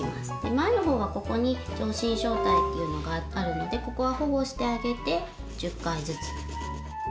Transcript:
前のほうはここに上唇小帯っていうのがあるのでここは保護してあげて１０回ずつ。